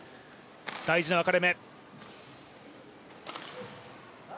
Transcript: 大事な分かれ目。